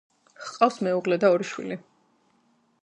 ჰყავს მეუღლე და ორი შვილი.